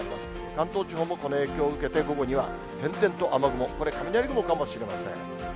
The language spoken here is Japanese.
関東地方もこの影響を受けて、午後には点々と雨雲、これ、雷雲かもしれません。